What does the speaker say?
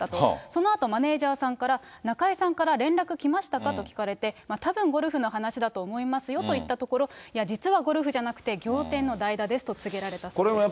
そのあとマネージャーさんから、中居さんから連絡来ましたか？と聞かれて、たぶん、ゴルフの話だと思いますよと言ったところ、いや、実はゴルフじゃなくて、仰天の代打ですと告げられたそうです。